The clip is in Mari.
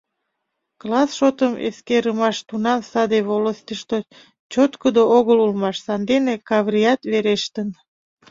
Класс шотым эскерымаш тунам саде волостьышто чоткыдо огыл улмаш, сандене Каврият верештын.